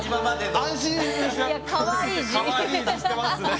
かわいい字してますね。